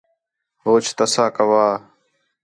ہوچ تَسّہ کَوّا